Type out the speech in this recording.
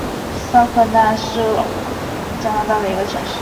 萨格奈是加拿大的一个城市。